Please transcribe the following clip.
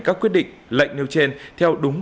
các quyết định lệnh nêu trên theo đúng